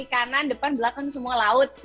kanan depan belakang semua laut